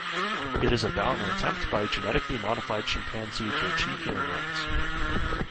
It is about an attempt by a genetically modified chimpanzee to achieve human rights.